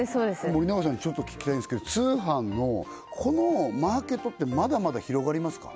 森永さんに聞きたいんですけど通販のこのマーケットってまだまだ広がりますか？